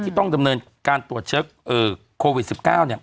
ที่ต้องดำเนินการตรวจเชื้อเอ่อโควิด๑๙เนี่ย